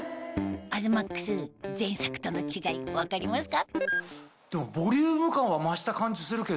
東ＭＡＸ前作との違い分かりますか？